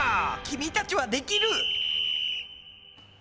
君たちはできる！